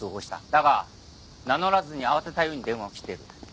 だが名乗らずに慌てたように電話を切っている。